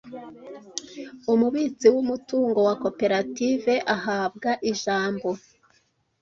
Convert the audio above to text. umubitsi w umutungo wa koperative Ahabwa ijambo